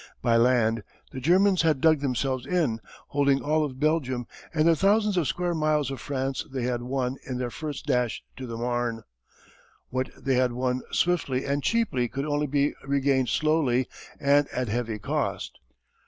By land the Germans had dug themselves in, holding all of Belgium and the thousands of square miles of France they had won in their first dash to the Marne. What they had won swiftly and cheaply could only be regained slowly and at heavy cost.